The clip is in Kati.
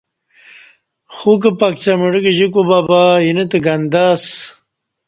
خوک پکڅہ مڑہ گجی کوبہ بہ اینہ تہ گندہ اسہ